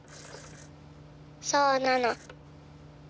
そうなの。